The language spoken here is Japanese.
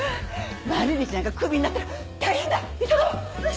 麻理鈴ちゃんがクビになったら大変だ急ごう！